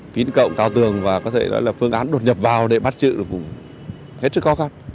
kín cộng cao tường và có thể nói là phương án đột nhập vào để bắt sự cũng hết sức khó khăn